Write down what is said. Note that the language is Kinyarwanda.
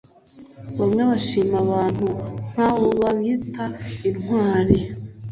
bamwe bashima abantu nk abo babita intwari